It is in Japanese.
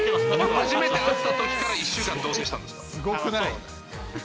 初めて会ったときから１週間同せいしたんですか。